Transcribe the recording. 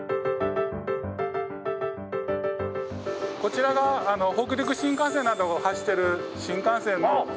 こちらが北陸新幹線などを走ってる新幹線の扉になります。